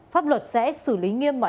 pháp luật sẽ xử lý nghiêm mật